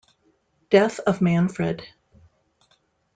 Death of Manfred.